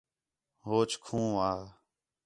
ہوچ کھوں وا